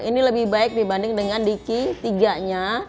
ini lebih baik dibanding dengan diki tiga nya